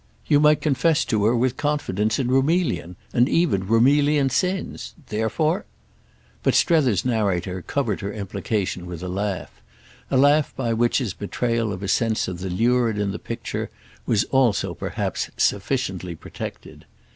You might confess to her with confidence in Roumelian, and even Roumelian sins. Therefore—! But Strether's narrator covered her implication with a laugh; a laugh by which his betrayal of a sense of the lurid in the picture was also perhaps sufficiently protected.